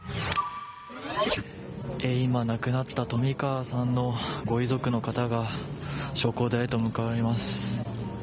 今亡くなった冨川さんのご遺族の方が焼香台へと向かわれます。